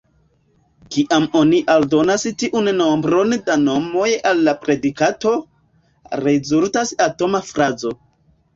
Kiam oni aldonas tiun nombron da nomoj al la predikato, rezultas atoma frazo.